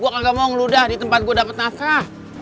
gue gak mau ngeludah di tempat gue dapet nafkah